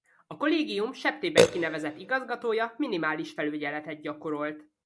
A Kollégium sebtében kinevezett igazgatója minimális felügyeletet gyakorolt.